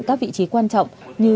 các vị trí quan trọng như